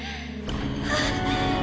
あっ！